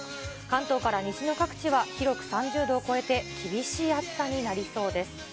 関東から西の各地は、広く３０度を超えて厳しい暑さになりそうです。